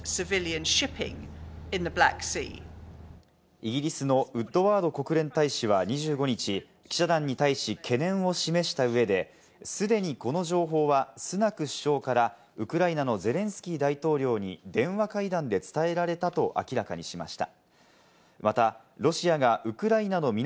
イギリスのウッドワード国連大使は２５日、記者団に対し懸念を示した上で、すでにこの情報はスナク首相からウクライナのゼレンスキー大統領に電話会談で伝えられたと明らかにしました。